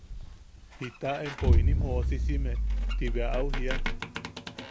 –¿Jitasa empo inim joosisime?– ti bea au jiia.